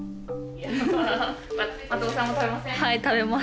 はい食べます。